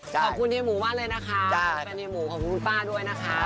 ใช่คุณแพ้เป็นเฮียหมูของคุณป้าด้วยนะคะ